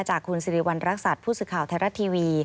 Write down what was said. จากคุณสิริวัณรักษัตริย์ผู้สื่อข่าวไทยรัฐทีวี